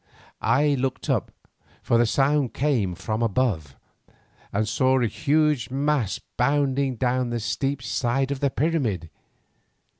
I looked up, for the sound came from above, and saw a huge mass bounding down the steep side of the pyramid.